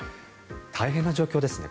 大変な状況ですね。